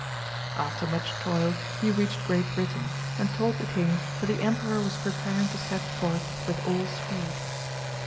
145 After much toil he reached Great Britain, and told the king that the emperor was preparing to set forth with all speed.